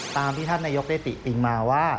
ตามที่ท่านนายกได้ติปิงมาว่า